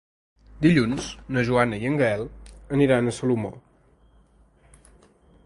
Dilluns na Joana i en Gaël aniran a Salomó.